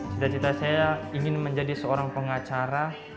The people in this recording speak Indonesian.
cita cita saya ingin menjadi seorang pengacara